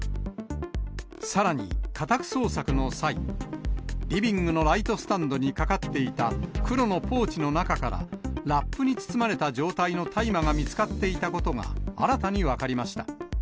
さらに、家宅捜索の際、リビングのライトスタンドにかかっていた黒のポーチの中から、ラップに包まれた状態の大麻が見つかっていたことが新たに分かりました。